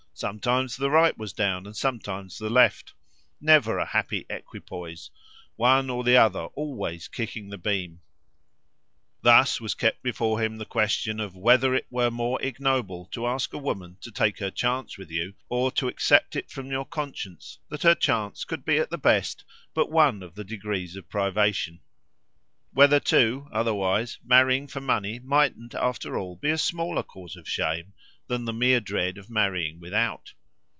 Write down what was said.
Sometimes the right was down and sometimes the left; never a happy equipoise one or the other always kicking the beam. Thus was kept before him the question of whether it were more ignoble to ask a woman to take her chance with you, or to accept it from your conscience that her chance could be at the best but one of the degrees of privation; whether too, otherwise, marrying for money mightn't after all be a smaller cause of shame than the mere dread of marrying without.